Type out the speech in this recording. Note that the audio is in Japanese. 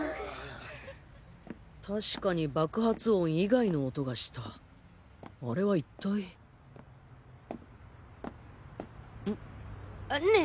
確かに爆発音以外の音がしたあれは一体ね